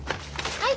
はい。